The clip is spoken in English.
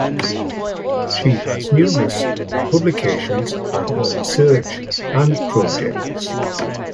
She has numerous publications on her research and projects.